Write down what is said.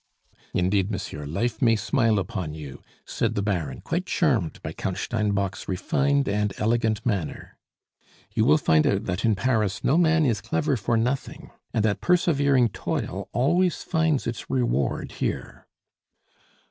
"Indeed, monsieur, life may smile upon you," said the Baron, quite charmed by Count Steinbock's refined and elegant manner. "You will find out that in Paris no man is clever for nothing, and that persevering toil always finds its reward here."